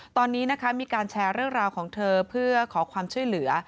ตอนนี้นะคะมีการแชร์เรื่องราวของเธอเพื่อขอความช่วยเหลือ